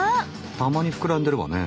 たまに膨らんでるわね。